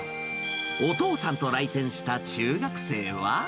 お父さんと来店した中学生は。